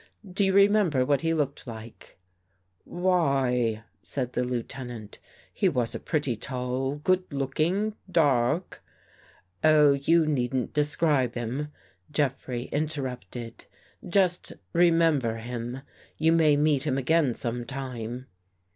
Do you remember what he looked like ?"" Why," said the Lieutenant, " he was a pretty tall, good looking, dark ..."" Oh, you needn't describe him," Jeffrey inter rupted. "Just remember him. You may meet him again sometime."